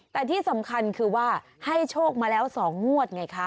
แต่ที่สำคัญคือว่าให้โชคมาแล้ว๒งวดไงคะ